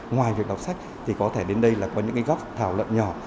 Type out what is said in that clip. ngoài việc đọc sách thì có thể đến đây là có những góc thảo luận nhỏ